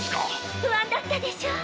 不安だったでしょう！